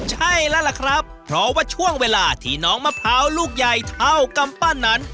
ใช่แล้วล่ะครับเพราะว่าช่วงเวลาที่น้องมะพร้าวลูกใหญ่เท่ากำปั้นนั้น